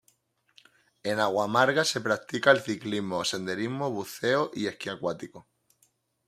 En Agua Amarga se practica el ciclismo, senderismo Buceo y Esquí acuático.